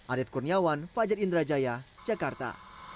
arief kurniawan fajar indrajaya jakarta